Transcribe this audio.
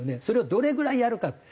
それをどれぐらいやるか。